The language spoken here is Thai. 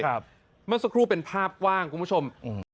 เมื่อสักครู่เป็นภาพกว้างคุณผู้ชม